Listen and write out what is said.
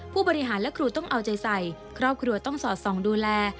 ผู้บริหารและครูต้องเอาใจใส่ครอบครัวต้องสอดส่องดูแล